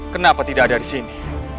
kenapa tidak ada disini